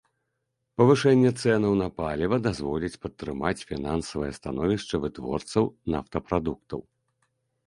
Павышэнне цэнаў на паліва дазволіць падтрымаць фінансавае становішча вытворцаў нафтапрадуктаў.